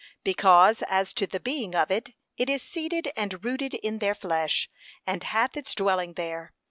Because as to the being of it, it is seated and rooted in their flesh, and hath its dwelling there.